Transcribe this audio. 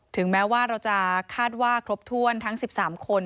ถึงแม้ว่าเราจะคาดว่าครบถ้วนทั้ง๑๓คน